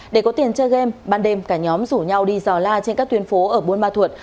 để có tiền chơi game ban đêm cả nhóm rủ nhau đi dò la trên các tuyến phố ở buôn ma thuột